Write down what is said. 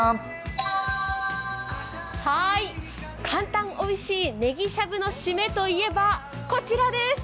簡単おいしい、ねぎしゃぶの締めといえば、こちらです。